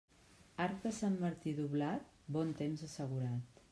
Arc de Sant Martí doblat, bon temps assegurat.